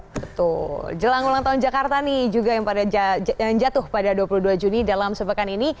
betul jelang ulang tahun jakarta nih juga yang jatuh pada dua puluh dua juni dalam sepekan ini